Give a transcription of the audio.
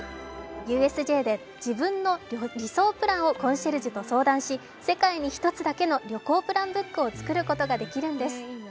ＵＳＪで自分の理想プランをコンシェルジュと相談し世界に１つだけの旅行プランブックを作ることができるんです。